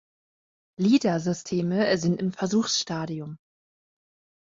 Lidar-Systeme sind im Versuchsstadium.